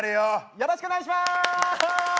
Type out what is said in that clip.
よろしくお願いします！